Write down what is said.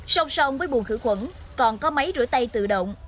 song song với buồn khử khuẩn còn có máy rửa tay tự động